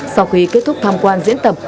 sau khi kết thúc tham quan diễn tập